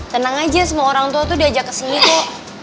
tenang aja semua orang tua tuh diajak ke sini kok